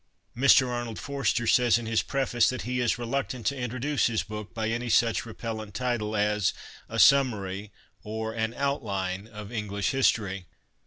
Mr Arnold Forster says in his preface that he " is reluctant to introduce his book by any such repellent title as ' A Summary/ or * An Outline of English History.'